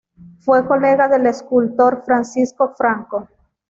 Fue colega del escultor Francisco Franco.